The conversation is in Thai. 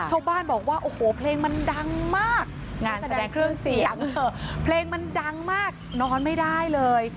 ชาวบ้านบอกว่าโอ้โหเพลงมันดังมากงานแสดงเครื่องเสียงเพลงมันดังมากนอนไม่ได้เลย